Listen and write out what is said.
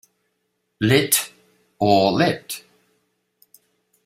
Lit., or Lit.